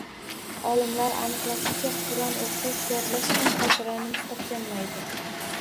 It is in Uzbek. Olimlar aniqlashicha, Qur’on o‘qish, yodlash ham xotirani mustahkamlaydi.